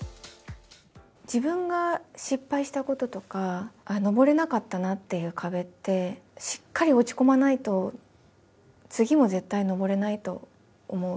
自分が失敗したこととか、登れなかったなっていう壁って、しっかり落ち込まないと、次も絶対登れないと思う。